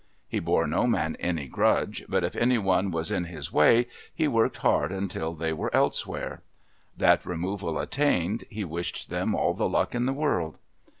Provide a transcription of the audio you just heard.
He bore no man any grudge, but if any one was in his way he worked hard until they were elsewhere. That removal attained, he wished them all the luck in the world.